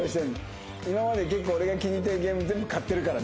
今まで結構俺が気に入ったゲーム全部買ってるからね俺。